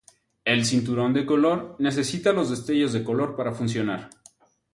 El cinturón de color necesita los destellos de color para funcionar.